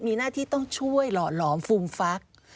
มีหน้าที่ต้องช่วยหล่อฟุ่มฟัก